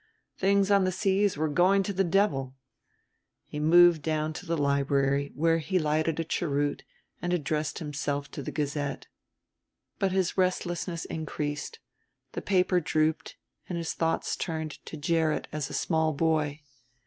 Things on the seas were going to the devil! He moved down to the library, where he lighted a cheroot and addressed himself to the Gazette; but his restlessness increased: the paper drooped and his thoughts turned to Gerrit as a small boy.